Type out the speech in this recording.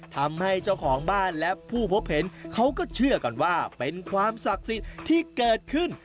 ทำให้เจ้าของบ้านและผู้พบเห็นเขาก็เชื่อกันว่าเป็นความศักดิ์สิทธิ์ที่เกิดขึ้น